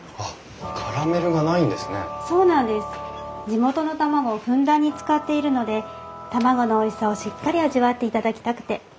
地元の卵をふんだんに使っているので卵のおいしさをしっかり味わっていただきたくて。